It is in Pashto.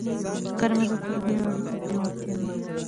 غرمه د کورنیو اړیکو پیاوړتیا ده